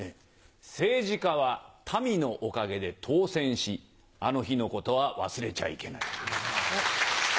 政治家は民のおかげで当選しあの日の事は忘れちゃいけない。